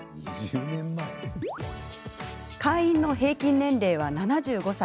会員の平均年齢は７５歳。